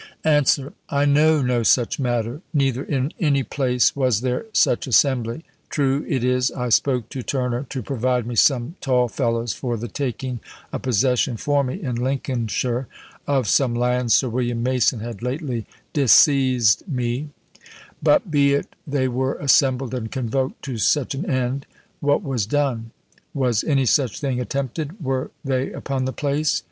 "Answer. I know no such matter, neither in any place was there such assembly; true it is I spoke to Turner to provide me some tall fellows for the taking a possession for me, in Lincolnshire, of some lands Sir William Mason had lately dis seised me; but be it they were assembled and convoked to such an end, what was done? was any such thing attempted? were they upon the place?